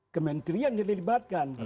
kementerian yang dilibatkan